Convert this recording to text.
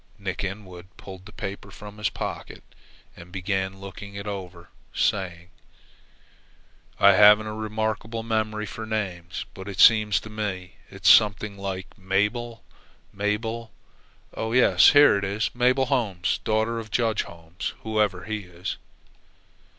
Nick Inwood pulled the newspaper from his pocket and began looking it over, saying: "I haven't a remarkable memory for names, but it seems to me it's something like Mabel Mabel oh yes, here it 'Mabel Holmes, daughter of Judge Holmes,' whoever he is."